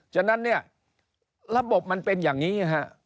ฉะนั้นเนี่ยระบบมันเป็นอย่างนี้ฮะ